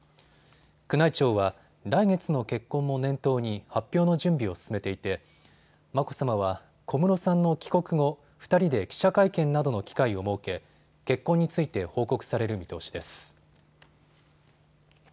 宮内庁は来月の結婚も念頭に発表の準備を進めていて眞子さまは小室さんの帰国後、２人で記者会見などの機会を設け結婚について報告される見通しです。